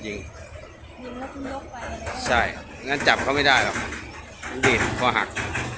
ยิงแล้วคุณลบไปใช่ไหมใช่งั้นจับเขาไม่ได้เหรอนั่นดีเขาหัก